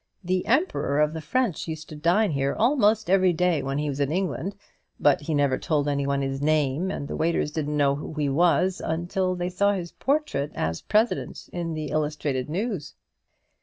The Emperor of the French used to dine here almost every day when he was in England; but he never told any one his name, and the waiters didn't know who he was till they saw his portrait as President in the 'Illustrated News.'"